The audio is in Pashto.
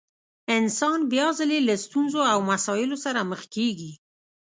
انسان بيا ځلې له ستونزو او مسايلو سره مخ کېږي.